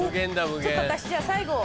ちょっと私じゃあ。